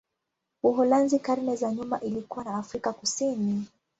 Uholanzi karne za nyuma ilikuwa na Afrika Kusini.